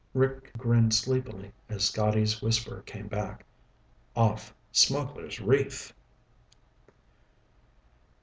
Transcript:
Rick grinned sleepily as Scotty's whisper came back. "Off Smugglers' Reef."